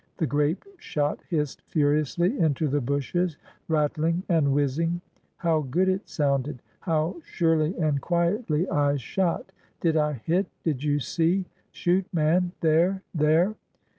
The grape shot hissed furiously into the bushes, ratthng and whizzing. How good it sounded! How surely and quietly I shot! ''Did I hit? Did you see? Shoot, man, there ! there